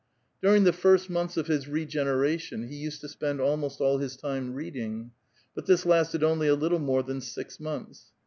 During the first months of his regeneration, he used to spend almost all his time reading ; but this lasted only a little more than six months.